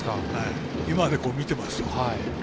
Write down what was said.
今まで見てますと。